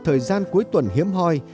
thời gian cuối tuần hiếm hoi